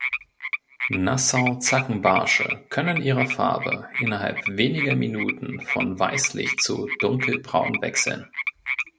Nassau-Zackenbarsche können ihre Farbe innerhalb weniger Minuten von weißlich zu dunkelbraun wechseln.